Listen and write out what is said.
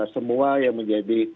semua yang menjadi